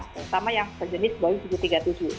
pertama yang terjenis boeing tujuh ratus tiga puluh tujuh